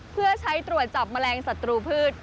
เพื่อใช้ตรวจจับแมลงศัตรูพืช